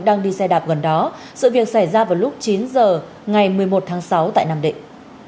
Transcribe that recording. đang đi xe đạp gần đó sự việc xảy ra vào lúc chín h ngày một mươi một tháng sáu tại nam định